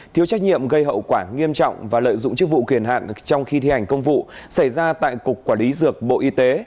thiếu trách nhiệm gây hậu quả nghiêm trọng và lợi dụng chức vụ kiền hạn trong khi thi hành công vụ xảy ra tại cục quản lý dược bộ y tế